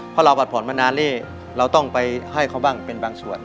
เพราะเราผัดผ่อนมานานเล่เราต้องไปให้เขาบ้างเป็นบางส่วน